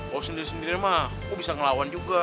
gue sendiri sendiri mah kok bisa ngelawan juga